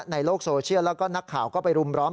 ในโลกโซเชียลแล้วก็นักข่าวก็ไปรุมร้อม